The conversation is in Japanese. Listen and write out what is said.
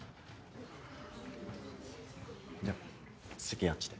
じゃあ席あっちで。